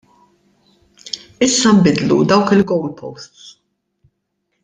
Issa nbiddlu dawk il-goalposts!